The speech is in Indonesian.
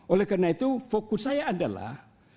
oleh karena itu fokus saya adalah